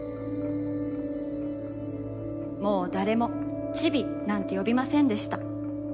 もうだれも、「ちび」なんてよびませんでした。